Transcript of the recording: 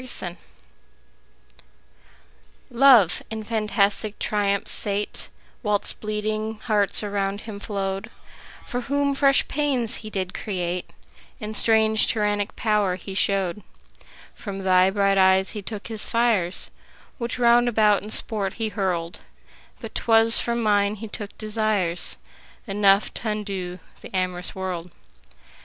Song LOVE in fantastic triumph sate Whilst bleeding hearts around him flow'd, For whom fresh pains he did create And strange tyrannic power he show'd: From thy bright eyes he took his fires, 5 Which round about in sport he hurl'd; But 'twas from mine he took desires Enough t' undo the amorous world.